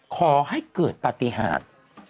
ขอให้เกิดปฏิหาร